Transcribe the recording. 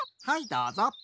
はいどうぞ。